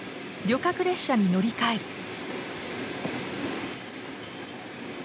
旅客列車に乗り換える。